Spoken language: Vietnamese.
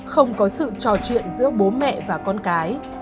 không có sự trò chuyện giữa bố mẹ và con cái